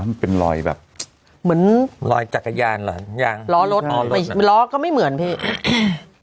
มันเป็นรอยแบบเหมือนรอยจักรยานเหรอยางล้อรถอ๋อล้อก็ไม่เหมือนพี่อืม